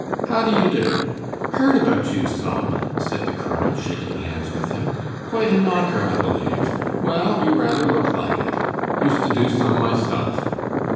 "How do you do? Heard about you some," said the colonel, shaking hands with him. "Quite a knocker, I believe. Well, you rather look like it. Used to do some myself.